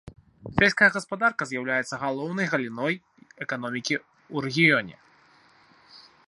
Сельская гаспадарка з'яўляецца галоўнай галіной эканомікі ў рэгіёне.